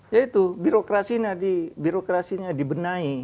jadi itu birokrasinya dibenahi